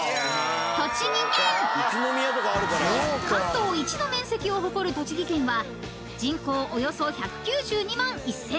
［関東一の面積を誇る栃木県は人口およそ１９２万１，０００人］